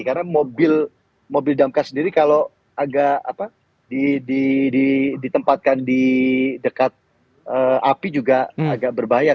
karena mobil damkar sendiri kalau agak apa ditempatkan di dekat api juga agak berbahaya